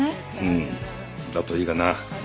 うんだといいがな。